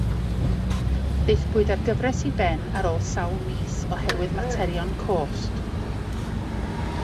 Daethpwyd â'r gyfres i ben ar ôl sawl mis oherwydd materion cost.